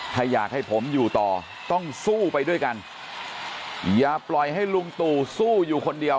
ถ้าอยากให้ผมอยู่ต่อต้องสู้ไปด้วยกันอย่าปล่อยให้ลุงตู่สู้อยู่คนเดียว